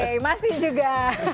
oke masih juga